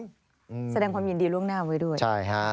และแสดงความยินดีล่วงหน้าไว้ด้วย